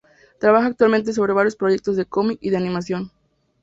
Trabaja actualmente sobre varios proyectos de cómic y de animación.